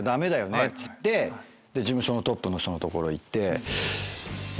事務所のトップの人のところ行って。